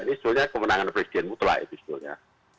ini soalnya kemenangan presiden mutlak itu soalnya